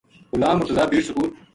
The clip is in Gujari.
غلام مر تضیٰ بیڑ سکول